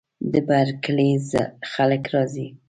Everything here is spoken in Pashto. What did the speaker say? د بر کلي خلک راځي.